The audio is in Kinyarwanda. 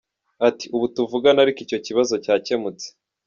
Ati “Ubu tuvugana ariko icyo kibazo cyakemutse.